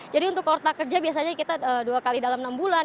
jadi untuk kontrak kerja biasanya kita dua kali dalam enam bulan